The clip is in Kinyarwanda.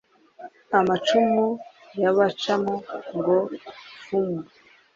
Amacumu yabacamo ngo pfumu